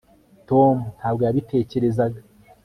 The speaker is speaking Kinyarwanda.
tom ntabwo yabitekerezaga